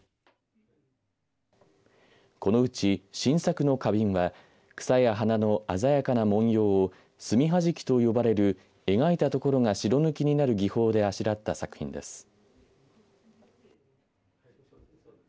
このうち新作の花瓶は草や花の鮮やかな文様を墨はじきと呼ばれる描いたところが白抜きになる技法であしらった作品です。